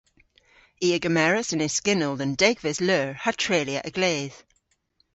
I a gemeras an yskynnell dhe'n degves leur ha treylya a-gledh.